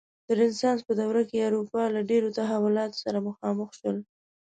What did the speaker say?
د رنسانس په دوره کې اروپا له ډېرو تحولاتو سره مخامخ شول.